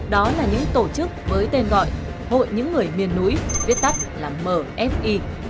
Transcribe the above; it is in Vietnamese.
đó là những tổ chức với tên gọi hội những người miền núi viết tắt là mfi